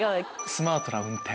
スマートな運転。